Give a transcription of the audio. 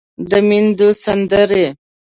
د ميندو سندرې